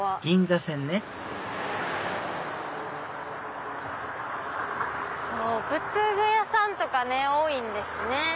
銀座線ねそう仏具屋さんとかね多いんですね！